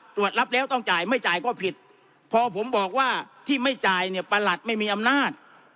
ตรวจรับแล้วต้องจ่ายไม่จ่ายก็ผิดพอผมบอกว่าที่ไม่จ่ายเนี่ยประหลัดไม่มีอำนาจ